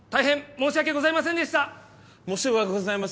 申し訳ございませんでした！